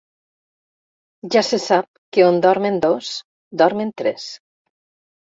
Ja se sap que on dormen dos dormen tres.